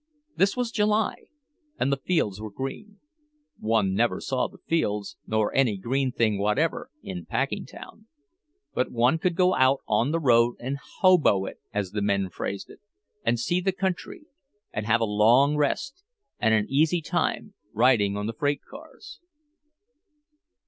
This was July, and the fields were green. One never saw the fields, nor any green thing whatever, in Packingtown; but one could go out on the road and "hobo it," as the men phrased it, and see the country, and have a long rest, and an easy time riding on the freight cars.